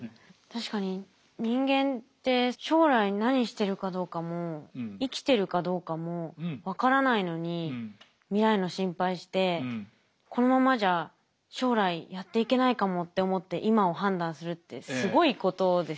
確かに人間って将来何してるかどうかも生きてるかどうかも分からないのに未来の心配してこのままじゃ将来やっていけないかもって思って今を判断するってすごいことですよね。